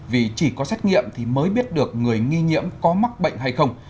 vì chỉ có xét nghiệm thì mới biết được người nghi nhiễm có mắc bệnh hay không